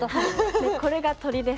でこれが鳥です。